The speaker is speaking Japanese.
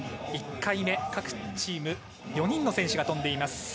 １回目、各チーム４人の選手が飛んでいます。